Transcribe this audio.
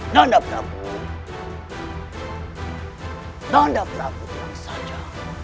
nanda prabu itu saja